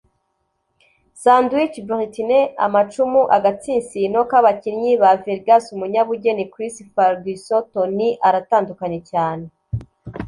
Sandwich britney amacumu agatsinsino k'abakinnyi ba vegas umunyabugeni Chris Ferguson tony aratandukanye cyane.